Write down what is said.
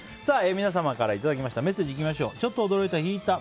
皆様からいただいたメッセージいきましょう。